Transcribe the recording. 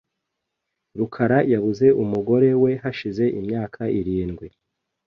rukara yabuze umugore we hashize imyaka irindwi .